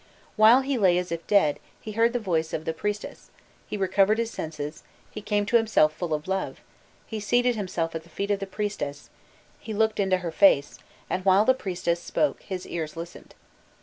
While he lay as if dead, he heard the voice of the priestess: he recovered his senses, he came to himself full of love; he seated himself at the feet of the priestess, he looked into her face, and while the priestess spoke his ears listened.